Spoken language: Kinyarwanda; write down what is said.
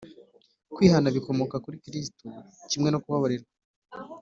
”. Kwihana bikomoka kuri Kristo kimwe no kubabarirwa.